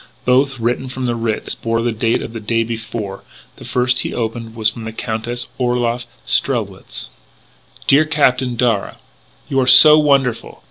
Both, written from the Ritz, bore the date of the day before: the first he opened was from the Countess Orloff Strelwitz: "Dear Captain Darragh, " You are so wonderful!